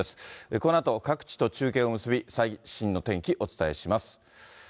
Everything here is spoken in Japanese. このあと各地と中継を結び、最新の天気、お伝えします。